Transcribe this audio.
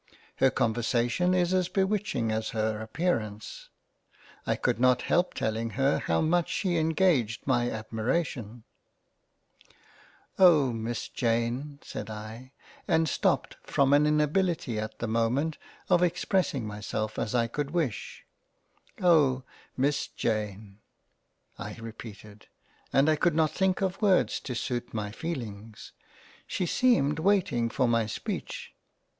Her Conversation is as bewitching as her appearance ; I could not help telling her how much she engaged my admiration —." Oh ! Miss Jane (said I) — and stopped from an inability at the moment of expressing myself as I could wish —" Oh ! Miss Jane — (I 106 £ A COLLECTION OF LETTERS £ repeated) — I could not think of words to suit my feelings — She seemed waiting for my speech —